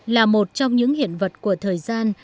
là một trong những hiện vật của thời gian